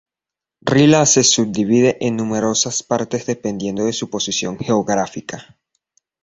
Rila se subdivide en numerosas partes dependiendo de su posición geográfica.